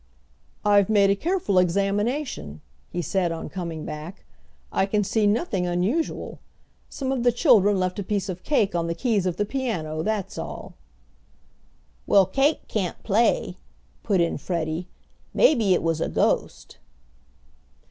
"I've made a careful examination," he said, on coming back. "I can see nothing unusual. Some of the children left a piece of cake on the keys of the piano, that's all." "Well, cake can't play," put in Freddie. "Maybe it was a ghost."